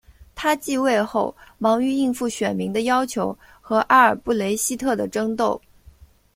他即位后忙于应付选民的要求和阿尔布雷希特的争斗。